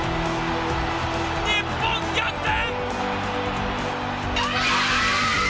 日本逆転！